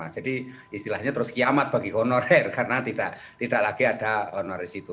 jadi istilahnya terus kiamat bagi honorer karena tidak lagi ada honorer di situ